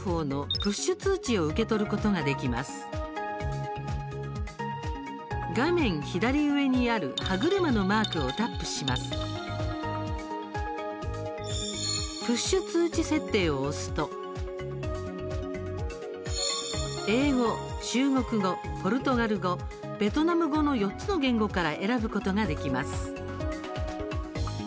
プッシュ通知設定を押すと英語、中国語、ポルトガル語ベトナム語の４つの言語から選ぶことができます。